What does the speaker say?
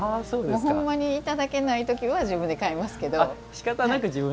ほんまにいただけない時は自分で買いますけど。